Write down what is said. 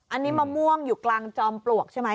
อันนี้มะม่วงอยู่กลางจอมปลวกใช่ไหม